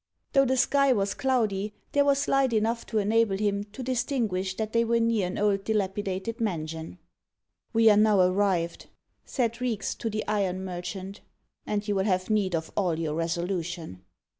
Though the sky was cloudy, there was light enough to enable him to distinguish that they were near an old dilapidated mansion. "We are now arrived," said Reeks to the iron merchant, "and you will have need of all your resolution."